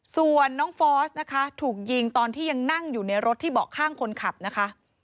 ส่วนน้องฟอสนะคะถูกยิงตอนที่ยังนั่งอยู่ในรถที่เบาะข้างคนขับนะคะ